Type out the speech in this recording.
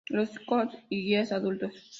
Los Scouts y Guías Adultos.